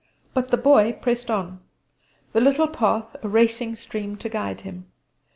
But the Boy pressed on the little path a racing stream to guide him.